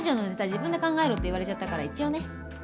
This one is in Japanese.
自分で考えろって言われちゃったから一応ね。